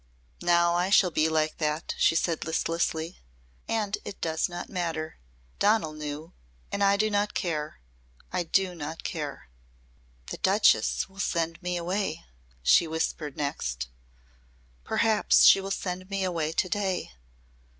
"Now I shall be like that," she said listlessly. "And it does not matter. Donal knew. And I do not care I do not care." "The Duchess will send me away," she whispered next. "Perhaps she will send me away to day.